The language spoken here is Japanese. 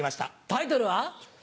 タイトルは？